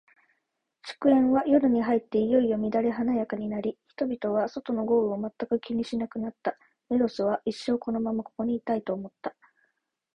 祝宴は、夜に入っていよいよ乱れ華やかになり、人々は、外の豪雨を全く気にしなくなった。メロスは、一生このままここにいたい、と思った。